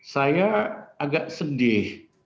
saya agak sedih